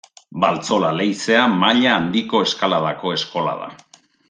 Baltzola leizea maila handiko eskaladako eskola da.